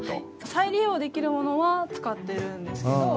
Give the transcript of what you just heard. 再利用できるものは使ってるんですけど。